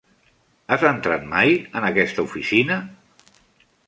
Has entrat mai en aquesta oficina?